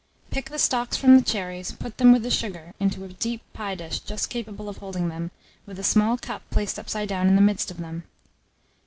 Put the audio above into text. Pick the stalks from the cherries, put them, with the sugar, into a deep pie dish just capable of holding them, with a small cup placed upside down in the midst of them.